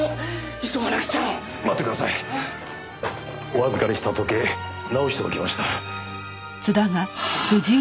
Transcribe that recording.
お預かりした時計直しておきました。